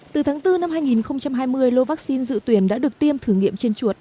từ tháng bốn năm hai nghìn hai mươi lô vaccine dự tuyển đã được tiêm thử nghiệm trên chuột